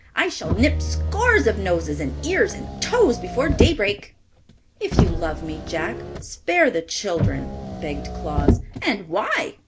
I shall nip scores of noses and ears and toes before daybreak." "If you love me, Jack, spare the children," begged Claus. "And why?"